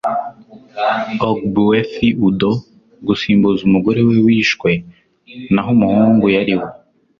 ogbuefi udo gusimbuza umugore we wishwe. naho umuhungu yari we